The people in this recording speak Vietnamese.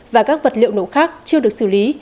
và các vật liệu nổ khác chưa được xử lý